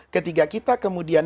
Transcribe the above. ketika kita kemudian